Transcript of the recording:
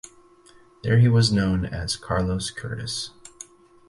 There he was known as Carlos Curtiss.